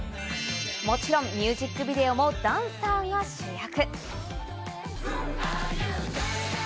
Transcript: もちろんミュージックビデオもダンサーが主役。